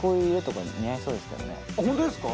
ホントですか？